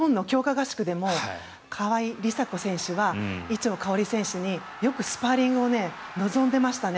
合宿でも川井梨紗子選手は伊調馨選手によくスパーリングを臨んでいましたね。